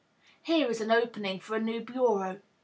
Here is an opening for a new Bureau.